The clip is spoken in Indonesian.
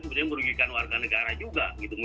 sebenarnya merugikan warga negara juga gitu